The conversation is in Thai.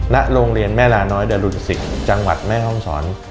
ณโรงเรียนแม่ลาน้อยเดอรุ่น๑๐จังหวัดแม่ฮ่องศร